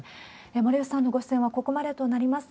森内さんのご出演はここまでとなります。